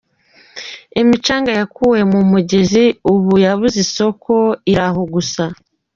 Imicanga yakuwe mu mugezi ubu yabuze isoko, iri aho gusa.